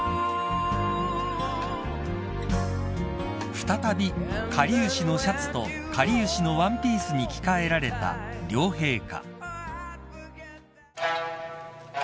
［再びかりゆしのシャツとかりゆしのワンピースに着替えられた両陛下］